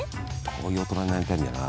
こういう大人になりたいんだよな